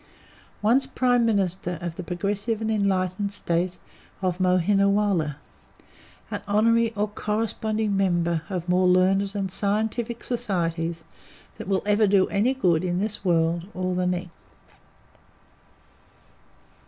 once Prime Minister of the progressive and enlightened State of Mohiniwala, and honorary or corresponding member of more learned and scientific societies than will ever do any good in this world or the next.